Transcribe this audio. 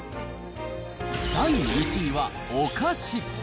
第１位はお菓子。